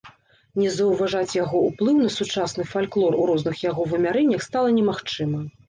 Не заўважаць яго ўплыў на сучасны фальклор у розных яго вымярэннях стала немагчыма.